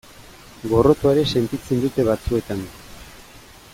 Gorrotoa ere sentitzen dute batzuetan.